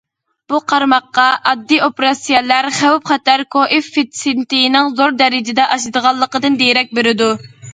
بۇ قارىماققا ئاددىي ئوپېراتسىيەلەر خەۋپ- خەتەر كوئېففىتسېنتىنىڭ زور دەرىجىدە ئاشىدىغانلىقىدىن دېرەك بېرىدۇ.